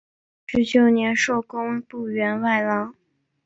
十九年授工部员外郎。